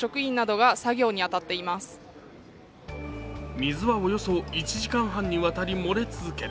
水はおよそ１時間半にわたり漏れ続け、